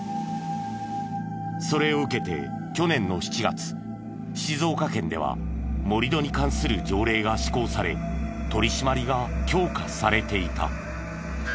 それを受けて去年の７月静岡県では盛り土に関する条例が施行され取り締まりが強化されていた。